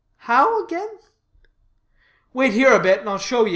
"How, again?" "Wait here a bit and I'll show ye."